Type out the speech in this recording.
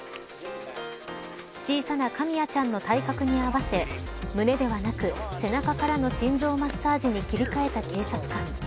小さなカミヤちゃんの体格に合わせ胸ではなく背中からの心臓マッサージに切り替えた警察官。